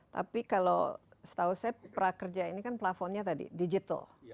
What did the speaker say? tapi kalau setahu saya prakerja ini kan plafonnya tadi digital